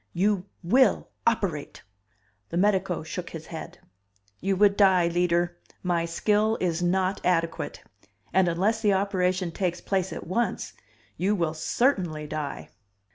"You will operate!" The medico shook his head. "You would die, Leader. My skill is not adequate. And unless the operation takes place at once, you will certainly die."